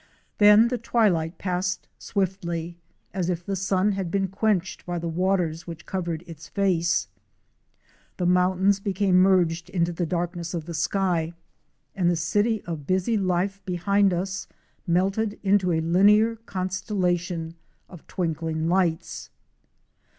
Then the twilight passed swiftly .as if the sun had been quenched by the waters which cov ered its face; the mountains became merged into the dark ness of the sky, and the city of busy life behind us melted into a linear constellation of twinkling lights.